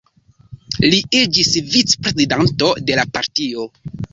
Li iĝis vicprezidanto de la partio.